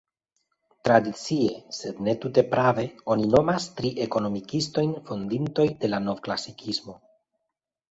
Tradicie, sed ne tute prave, oni nomas tri ekonomikistojn fondintoj de la novklasikismo.